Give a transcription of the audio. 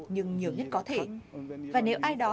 nhiều nhất có thể và nếu ai đó